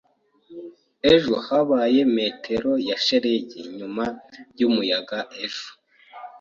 Ejo habaye metero ya shelegi nyuma yumuyaga ejo.